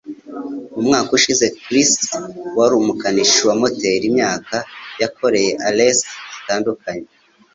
Mu mwaka ushize, Chris, wari umukanishi wa moteri imyaka , yakoreye ales zitandukanye.